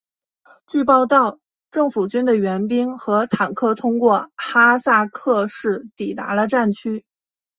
据报道政府军的援兵和坦克通过哈塞克市抵达了战区。